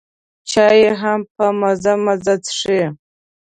چای هم په مزه مزه څښي.